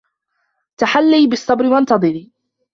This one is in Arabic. تحلّي بالصّبر و انتظرِ.